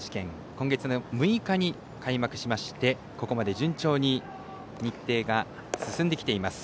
今月６日に開幕しましてここまで順調に日程が進んできています。